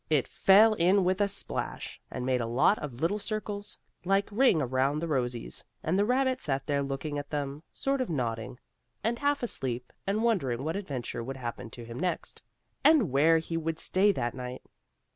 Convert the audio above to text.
It fell in with a splash, and made a lot of little circles, like ring around the rosies, and the rabbit sat there looking at them, sort of nodding, and half asleep and wondering what adventure would happen to him next, and where he would stay that night.